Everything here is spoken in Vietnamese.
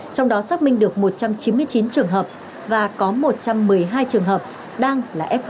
trong đó xác minh được một trăm chín mươi chín trường hợp và có một trăm một mươi hai trường hợp đang là f hai